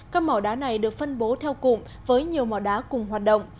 các mỏ đá này được phân bố theo cụm với nhiều mỏ đá cùng hoạt động